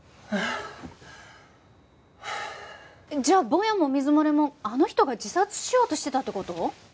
じゃあぼやも水漏れもあの人が自殺しようとしてたって事？